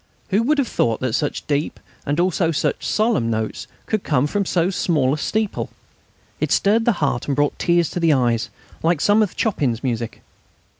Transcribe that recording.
Who would have thought that such deep, and also such solemn, notes could come from so small a steeple? It stirred the heart and brought tears to the eyes, like some of Chopin's music.